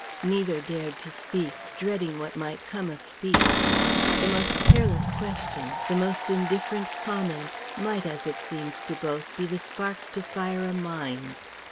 Neither dared to speak, dreading what might come of speech. The most careless question, the most indifferent comment, might, as it seemed to both, be the spark to fire a mine.